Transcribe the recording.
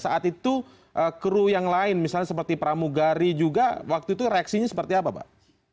saat itu kru yang lain misalnya seperti pramugari juga waktu itu reaksinya seperti apa pak